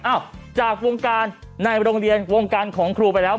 จากวงการในโรงเรียนวงการของครูไปแล้ว